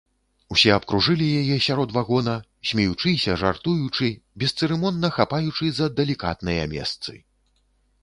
Усе абкружылі яе сярод вагона, смеючыся, жартуючы, бесцырымонна хапаючы за далікатныя месцы.